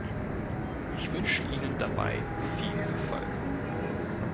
Ich wünsche Ihnen dabei viel Erfolg.